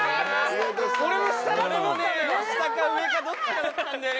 ・下か上かどっちかだったんだよね